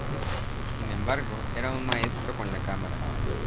Sin embargo, era un maestro con la cámara".